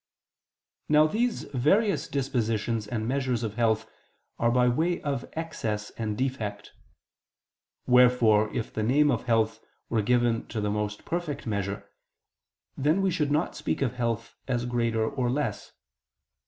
Now these various dispositions and measures of health are by way of excess and defect: wherefore if the name of health were given to the most perfect measure, then we should not speak of health as greater or less.